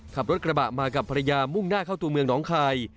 ขับรถกระบะมากับภรรยามุ่งหน้าเข้าตัวเมืองน้องคาย